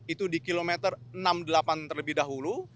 itu di kilometer enam puluh delapan terlebih dahulu